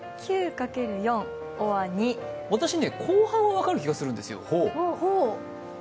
私ね、後半は分かる気がするんですよ。